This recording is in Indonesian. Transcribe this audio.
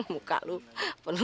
muka lo penuh tai burung dik